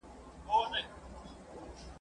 افسر وویل: که هغوی ښخ سوي وای.